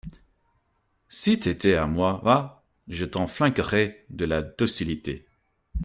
Si t’étais à moi, va !… je t’en flanquerais de la docilité…